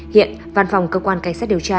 hiện văn phòng cơ quan cảnh sát điều tra